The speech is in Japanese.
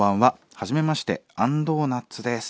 はじめましてあんドーナツです」。